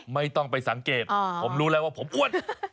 ไม่ต้องไปสังเกตผมรู้แล้วว่าผมอ้วน